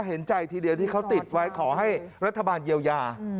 เห็นใจทีเดียวที่เขาติดไว้ขอให้รัฐบาลเยียวยา